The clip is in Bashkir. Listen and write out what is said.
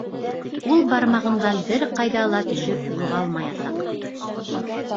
Ул бармағымдан бер ҡайҙа ла төшөп юғалмаясаҡ.